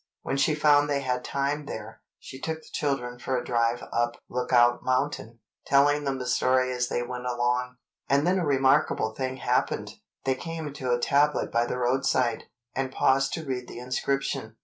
When she found they had time there, she took the children for a drive up Lookout Mountain, telling them the story as they went along. And then a remarkable thing happened: they came to a tablet by the roadside, and paused to read the inscription.